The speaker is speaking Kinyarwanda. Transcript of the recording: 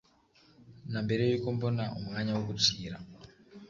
na mbere yuko mbona umwanya wo gucira